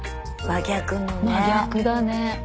真逆だね。